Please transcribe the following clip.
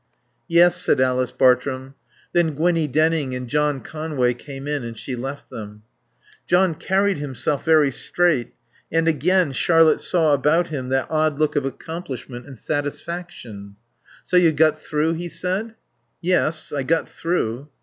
"Yes," said Alice Bartrum. Then Gwinnie Denning and John Conway came in and she left them. John carried himself very straight, and again Charlotte saw about him that odd look of accomplishment and satisfaction. "So you got through?" he said. "Yes. I got through."